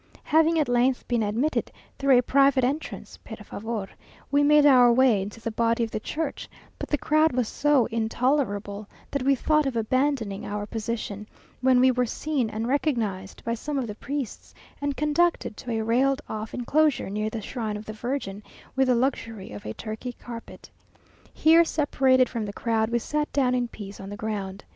Having at length been admitted through a private entrance, per favour, we made our way into the body of the church; but the crowd was so intolerable, that we thought of abandoning our position, when we were seen and recognised by some of the priests, and conducted to a railed off enclosure near the shrine of the Virgin, with the luxury of a Turkey carpet. Here, separated from the crowd, we sat down in peace on the ground.